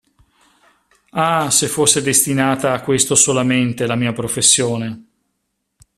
Ah, se fosse destinata a questo solamente la mia professione!